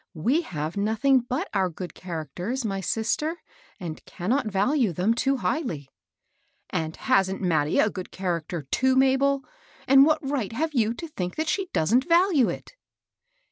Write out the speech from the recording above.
We have nothing but our good characters, my sister, and cannot value them too highly." *^ And hasn't Mattie a good character, too, Ma bel ? And what right have you to think that she doesn't value it